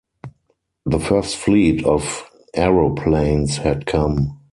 The first fleet of aeroplanes had come!